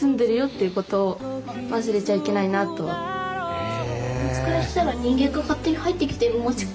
へえ。